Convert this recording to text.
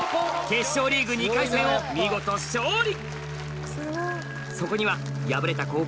決勝リーグ２回戦を見事勝利